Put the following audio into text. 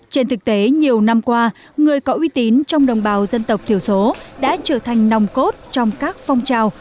trên thực tế nhiều năm qua người có uy tín trong đồng bào dân tộc thiểu số đã trở thành nòng cốt trong các phong trào